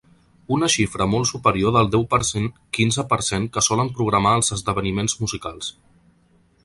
Una xifra molt superior del deu per cent-quinze per cent que solen programar els esdeveniments musicals.